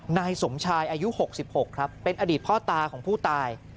นายสมชายอายุ๖๖ครับเป็นอดีตพ่อตาของผู้ตาย